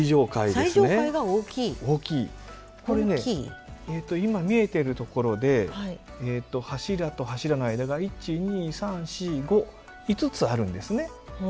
これね今見えてるところで柱と柱の間が１２３４５５つあるんですね。